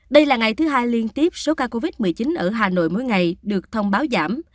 đây là ngày thứ hai liên tiếp số ca covid một mươi chín ở hà nội mỗi ngày được thông báo giảm